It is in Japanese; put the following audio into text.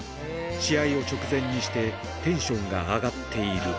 試合を直前にしてテンションが上がっている。